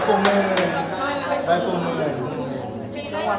ขอบคุณค่ะริชิ